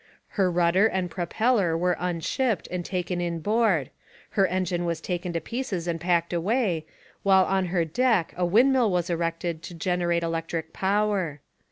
Her rudder and propeller were unshipped and taken inboard, her engine was taken to pieces and packed away, while on her deck a windmill was erected to generate electric power.